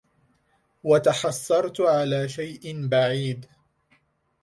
وتحسرت على شئ بعيدْ